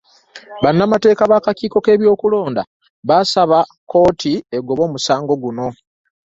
Bannamateeka b'akakiiko k'ebyokulonda baasaba kkooti egobe omusango guno